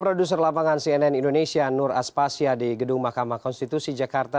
produser lapangan cnn indonesia nur aspasya di gedung mahkamah konstitusi jakarta